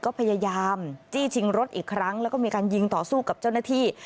ก็พยายามจี้ชิงรถอีกครั้งแล้วก็มีการยิงต่อสู้กับเจ้าหน้าที่